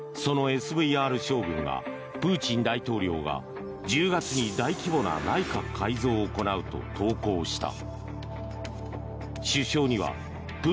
そのＳＶＲ将軍がプーチン大統領が１０月に大規模な内閣改造を行うと投稿した。